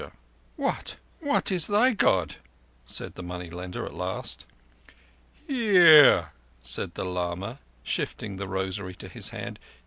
"What—what is thy God?" said the money lender at last. "Hear!" said the lama, shifting the rosary to his hand.